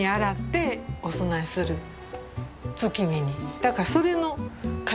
だからそれの形。